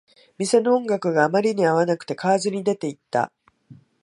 店の音楽があまりに合わなくて、買わずに出ていった